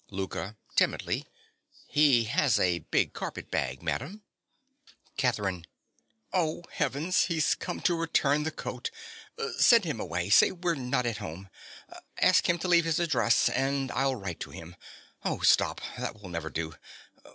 LOUKA. (timidly). He has a big carpet bag, madam. CATHERINE. Oh, Heavens, he's come to return the coat! Send him away—say we're not at home—ask him to leave his address and I'll write to him—Oh, stop: that will never do.